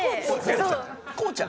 こうちゃん？